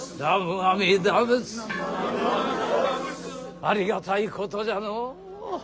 ありがたいことじゃのう。